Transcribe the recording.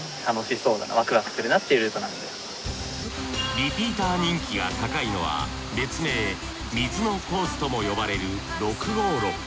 リピーター人気が高いのは別名水のコースとも呼ばれる６号路。